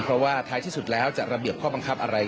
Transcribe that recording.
เพราะว่าท้ายที่สุดแล้วจะระเบียบข้อบังคับอะไร